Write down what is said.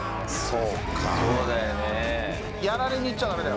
そうだよね。